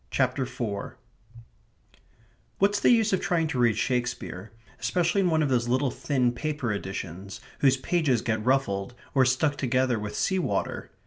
CHAPTER FOUR What's the use of trying to read Shakespeare, especially in one of those little thin paper editions whose pages get ruffled, or stuck together with sea water?